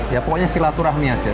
ya pokoknya silaturahmi aja